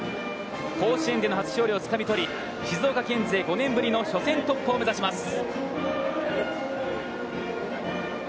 甲子園での初勝利をつかみとり、静岡県勢５年ぶりの初戦突破を目指します。